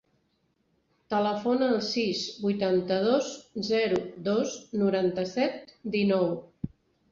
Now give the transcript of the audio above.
Telefona al sis, vuitanta-dos, zero, dos, noranta-set, dinou.